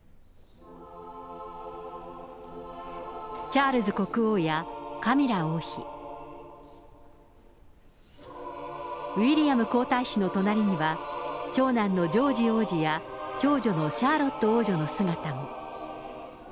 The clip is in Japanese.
チャールズ国王やカミラ王妃、ウィリアム皇太子の隣には、長男のジョージ王子や長女のシャーロット王女の姿も。